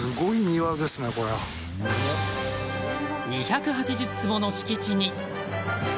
２８０坪の敷地に。